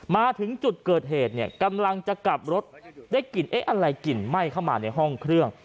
มาถึงจุดเกิดเหตุเนี่ยกำลังจะกลับรถได้กลิ่นเอ๊ะอะไรกลิ่นไหม้เข้ามาในห้องเครื่อง